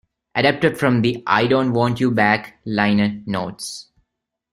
Adapted from the "I Don't Want You Back" liner notes.